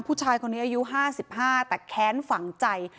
ผู้ชายคนนี้อายุห้าสิบห้าแต่แขนฝั่งใจ